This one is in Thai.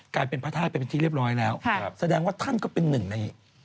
กลายเป็นพระธาตุไปเป็นที่เรียบร้อยแล้วแสดงว่าท่านก็เป็นหนึ่งใน